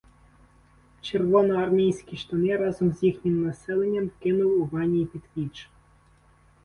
Червоноармійські штани разом з їхнім "населенням” вкинув у ванній під піч.